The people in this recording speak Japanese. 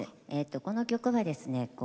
この曲はですね